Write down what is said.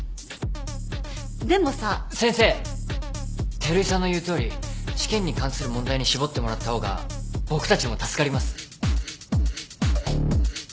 照井さんの言うとおり試験に関する問題に絞ってもらった方が僕たちも助かります。